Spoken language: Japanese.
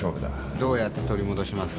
どうやって取り戻します？